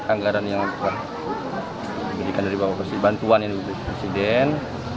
anggaran yang dibuat oleh bantuan presiden